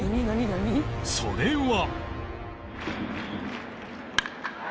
それは